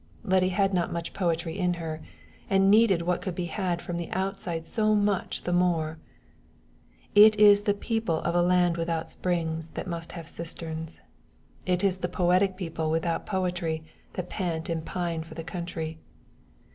Letty had not much poetry in her, and needed what could be had from the outside so much the more. It is the people of a land without springs that must have cisterns. It is the poetic people without poetry that pant and pine for the country.